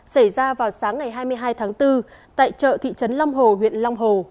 xảy ra vào sáng ngày hai mươi hai tháng bốn tại chợ thị trấn long hồ huyện long hồ